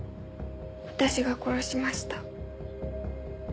私が殺しました。